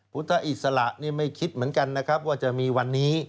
พุทธอิสระนี่ไม่คิดเหมือนกันนะครับว่าจะมีวันนี้